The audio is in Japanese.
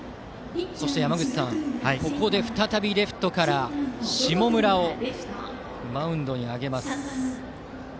そして、ここで再びレフトから下村をマウンドに上げます。